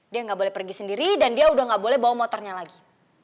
dia nggak boleh pergi sendiri dan dia udah gak boleh bawa motornya lagi